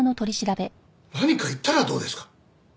何か言ったらどうですか？